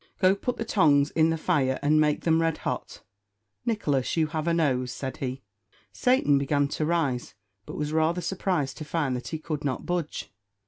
Go put the tongs in the fire, and make them red hot. Nicholas, you have a nose," said he. Satan began to rise, but was rather surprised to find that he could not budge.